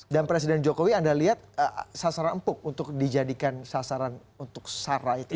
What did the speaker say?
dan presiden jokowi anda lihat sasaran empuk untuk dijadikan sasaran untuk sarah itu